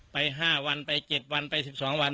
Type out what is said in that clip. ไป๕วันไป๗วันไป๑๒วัน